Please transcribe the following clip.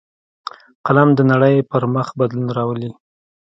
قلم د نړۍ پر مخ بدلون راولي